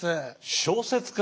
小説家？